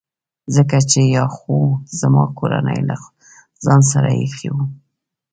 ځکه چي یا خو زما کورنۍ له ځان سره ایښي وو.